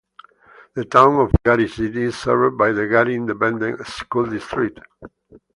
The Town of Gary City is served by the Gary Independent School District.